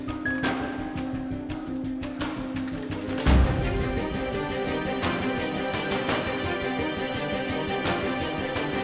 untuk seluruhan kisah kita above